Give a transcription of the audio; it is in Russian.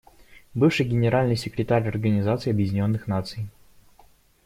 Бывший Генеральный секретарь Организации Объединенных Наций.